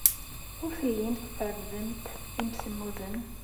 Ur tellimt tɛebbdemt imsemmuden.